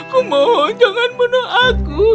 kumohon jangan membunuh aku